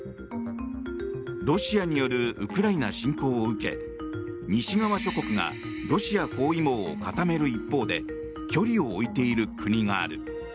ロシアによるウクライナ侵攻を受け西側諸国がロシア包囲網を固める一方で距離を置いている国がある。